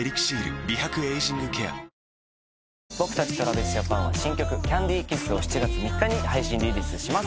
新「ＥＬＩＸＩＲ」僕たちＴｒａｖｉｓＪａｐａｎは新曲『ＣａｎｄｙＫｉｓｓ』を７月３日に配信リリースします。